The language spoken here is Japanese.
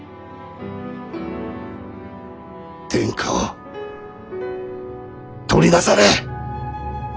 天下を取りなされ！